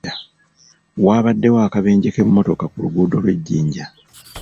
Waabaddewo akabenje k'emmotoka ku luguudo lw'e Jinja.